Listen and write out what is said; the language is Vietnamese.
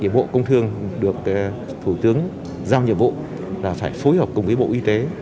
bộ công thương được thủ tướng giao nhiệm vụ là phải phối hợp cùng với bộ y tế